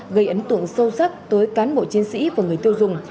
gây ấn tượng sâu sắc tới cán bộ chiến sĩ và người tiêu dùng